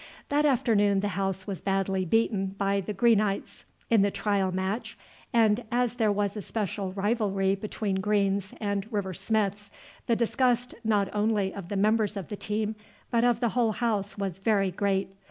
That afternoon the house was badly beaten by the Greenites in the trial match, and as there was a special rivalry between Green's and River Smith's the disgust not only of the members of the team but of the whole house was very great.